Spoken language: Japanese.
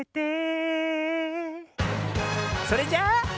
それじゃあ。